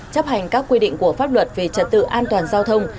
chấp hành các quy định của pháp luật về trật tự an toàn giao thông